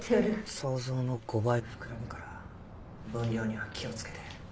想像の５倍膨らむから分量には気をつけて。